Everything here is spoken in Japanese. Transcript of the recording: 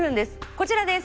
こちらです。